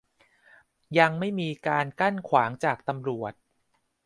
ยังไม่มีการกั้นขวางจากตำรวจ